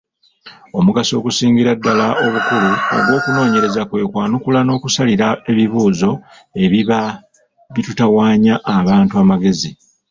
Omugaso ogusingirayo ddala obukulu ogw’okunoonyereza kwe kwanukula n’okusalira ebibuuzo ebiba bitutawaanya abantu amagezi.